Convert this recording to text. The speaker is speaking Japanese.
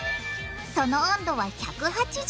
その温度は１８０℃！